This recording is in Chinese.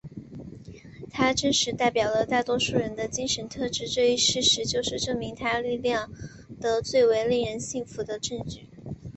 他真实代表了大多数人的精神特质这一事实就是证明他力量的最为令人信服的证据。